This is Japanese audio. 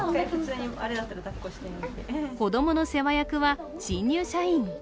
子供の世話役は新入社員。